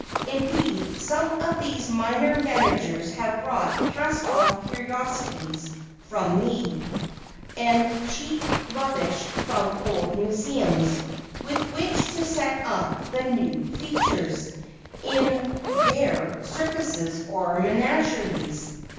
Indeed, some of these minor managers have bought cast off curiosities from me, and cheap rubbish from old museums, with which to set up the "new features" in their circuses or menageries.